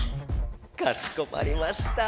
かしこまりました。